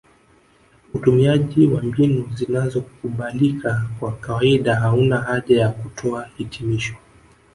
Utumiaji wa mbinu zinazokubalika kwa kawaida hauna haja ya kutoa hitimisho